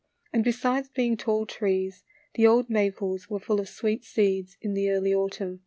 And besides being tall trees, the old maples were full of sweet seeds in the early autumn.